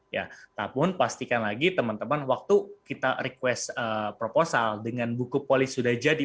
ya tapi pastikan lagi teman teman waktu kita request proposal dengan buku polis sudah jadi